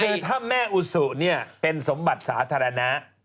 คือถ้าแม่อุสุเนี่ยเป็นสมบัติสาธารณะ